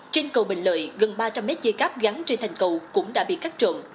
trên cầu bình lợi gần ba trăm linh mét dây cáp gắn trên thành cầu cũng đã bị cắt trộn